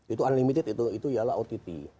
itu unlimited itu ialah ott